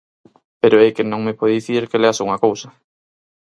Pero é que non me pode dicir que lea só unha cousa.